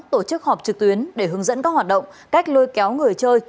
tổ chức họp trực tuyến để hướng dẫn các hoạt động cách lôi kéo người chơi